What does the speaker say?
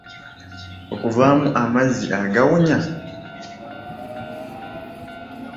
Okuvaamu amazzi agawunya?